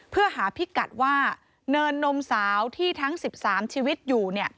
เพื่อหาพิกัดว่าเนินนมสาวที่ทั้ง๑๓ชีวิตอยู่